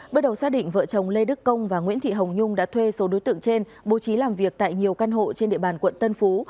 bước đầu xác định vợ chồng lê đức công và nguyễn thị hồng nhung đã thuê số đối tượng trên bố trí làm việc tại nhiều căn hộ trên địa bàn quận tân phú